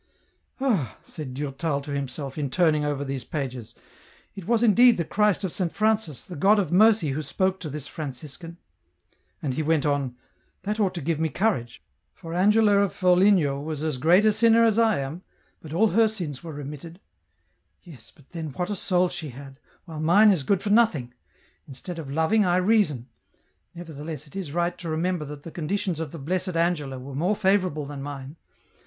" Ah," said Durtal to himself, m turning over these pages, "it was indeed the Christ of Saint Francis, the God of mercy who spoke to this Franciscan !" and he went on :" that ought to give me courage, for Angela of Foligno was as great a sinner as I am, but all her sins were remitted I Yes, but then what a soul she had, while mine is good for nothing ; instead of loving, I reason ; nevertheless it is right to remember that the conditions of the Blessed Angela were more favourable than mine.